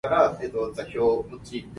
到底